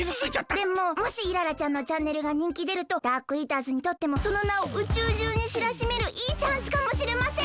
でももしイララちゃんのチャンネルがにんきでるとダークイーターズにとってもそのなを宇宙じゅうにしらしめるいいチャンスかもしれません！